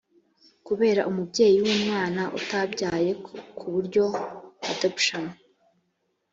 kubera umubyeyi umwana utabyaye ku buryo adoption